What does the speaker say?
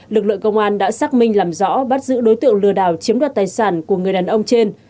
lực lượng công an đã xác minh làm rõ bắt giữ đối tượng lừa đảo chiếm đoạt tài sản của người đàn ông trên